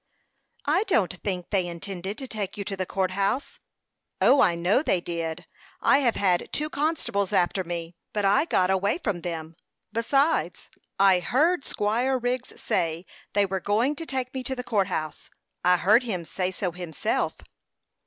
"I don't think they intended to take you to the court house." "O, I know they did. I have had two constables after me; but I got away from them. Besides, I heard Squire Wriggs say they were going to take me to the court house. I heard him say so myself."